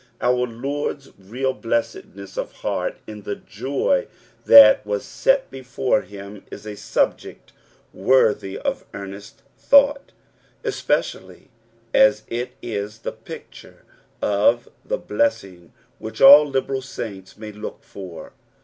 Our Lord's real blessedness of heart in the joy that was set before him is a subject worthy of earnest thought, especially as it is the picture of the blessing which all liberal sainU may look for.